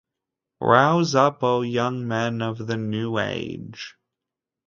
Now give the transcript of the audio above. Rouse Up O Young Men of the New Age!